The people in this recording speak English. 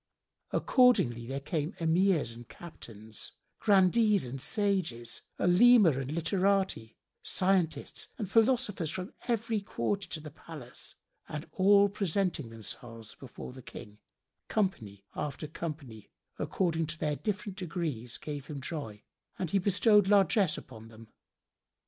Accordingly there came Emirs and Captains, Grandees and Sages, Olema and literati, scientists and philosophers from every quarter to the palace and all presenting themselves before the King, company after company, according to their different degrees, gave him joy, and he bestowed largesse upon them.